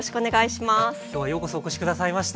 今日はようこそお越し下さいました。